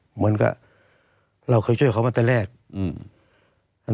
เหมือนกับเราเคยช่วยเขามาตั้งแต่แรก